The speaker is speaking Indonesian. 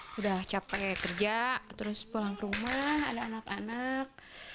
sudah capek kerja terus pulang ke rumah ada anak anak